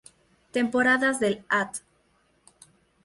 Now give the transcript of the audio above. Temporadas del At.